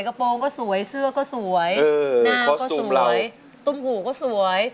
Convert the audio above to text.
กระโปรงก็สวยเสื้อก็สวยเออคอสตูมเราหน้าก็สวยตุ้มหูก็สวย